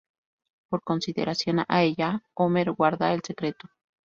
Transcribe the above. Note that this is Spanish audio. Por consideración a ella, Homer guarda el secreto.